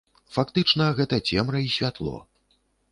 Фактычна, гэта цемра і святло.